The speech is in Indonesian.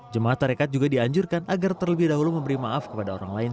jemaah tarekat juga dianjurkan agar terlebih dahulu memberi maaf kepada orang lain